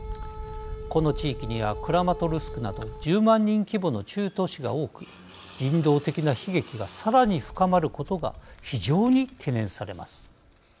この地域にはクラマトルスクなど１０万人規模の中都市が多く人道的な悲劇がさらに深まることが非常に懸念されます。